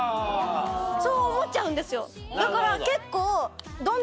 そう思っちゃうんですよだから結構。